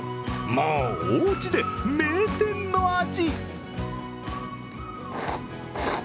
もう、おうちで名店の味。